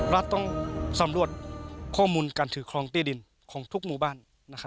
รัฐต้องสำรวจข้อมูลการถือครองที่ดินของทุกหมู่บ้าน